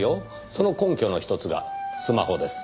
その根拠のひとつがスマホです。